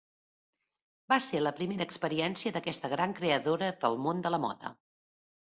Va ser la primera experiència d'aquesta gran creadora del món de la moda.